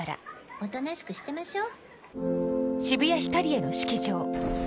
おとなしくしてましょう。